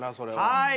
はい。